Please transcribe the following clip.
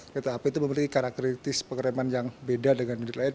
kereta api itu memiliki karakteristis pengereman yang beda dengan unit lain